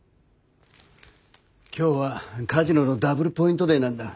今日はカジノのダブルポイントデーなんだ。